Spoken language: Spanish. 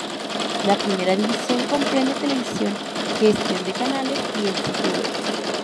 La primera división comprende televisión, gestión de canales y el sitio web.